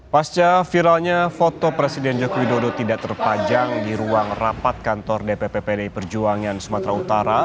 pasca viralnya foto presiden joko widodo tidak terpajang di ruang rapat kantor dpp pdi perjuangan sumatera utara